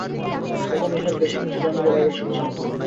তখন ইহার বেশি কিছু জানিবার আবশ্যক ছিল না।